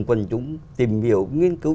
quần chúng tìm hiểu nghiên cứu